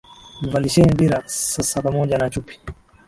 Mvalisheni dira sasa pamoja na chupi!